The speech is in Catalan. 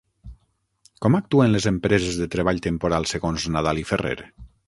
Com actuen les empreses de treball temporal segons Nadal i Ferrer?